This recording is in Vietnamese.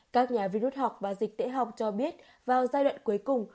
các nhà vi rút học và dịch tễ học cho biết vào giai đoạn cuối cùng